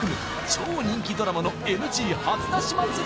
超人気ドラマのＮＧ初出し祭り